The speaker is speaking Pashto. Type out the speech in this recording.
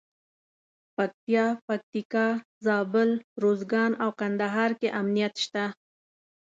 پکتیا، پکتیکا، زابل، روزګان او کندهار کې امنیت شته.